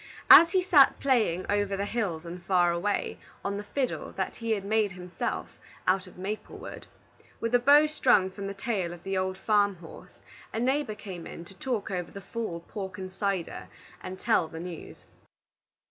As he sat playing "Over the Hills and Far Away" on the fiddle that he had himself made out of maple wood, with a bow strung from the tail of the old farm horse, a neighbor came in to talk over the fall pork and cider, and tell the news.